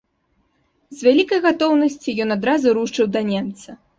З вялікай гатоўнасцю ён адразу рушыў да немца.